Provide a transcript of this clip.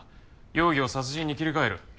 容疑を殺人に切り替える。